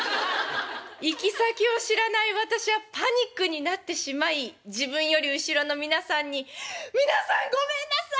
行き先を知らない私はパニックになってしまい自分より後ろの皆さんに「皆さんごめんなさい！